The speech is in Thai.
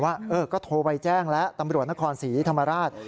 ว่าก็โทรไปแจ้งแล้วตำรวจนครศรีธรรมราช